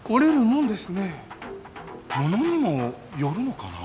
ものにもよるのかな？